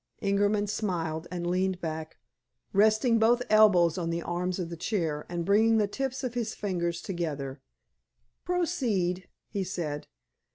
Ingerman smiled, and leaned back, resting both elbows on the arms of the chair, and bringing the tips of his fingers together. "Proceed," he said.